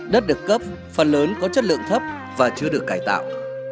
đất được cấp phần lớn có chất lượng thấp và chưa được cải tạo